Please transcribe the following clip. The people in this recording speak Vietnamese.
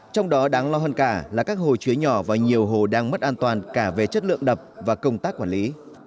trong đó đáng lo hơn cả là các hồ chứa nhỏ và nhiều hồ đang mất an toàn cả về chất lượng đập và công tác quản lý